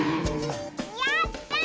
やった！